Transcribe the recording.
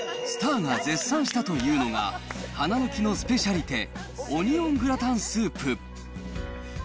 スターが絶賛したというのが、花の木のスペシャリテ、オニオングラタンスープ。